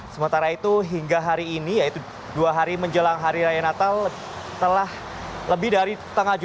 sementara itu hingga hari ini yaitu dua hari menjelang hari raya natal telah lebih dari tiga puluh juta kendaraan